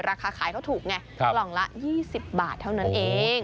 ราคาขายเขาถูกไงกล่องละ๒๐บาทเท่านั้นเอง